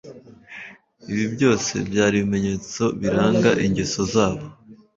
ibi byose byari ibimenyetso biranga ingeso zabo